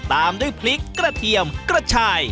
ตามด้วยพริกกระเทียมกระชาย